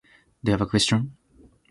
Do you have a question?